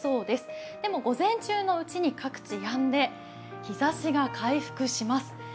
でも、午前中のうちに各地やんで、日ざしが回復します。